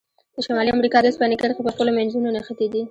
د شمالي امریکا د اوسپنې کرښې په خپلو منځونو نښتي دي.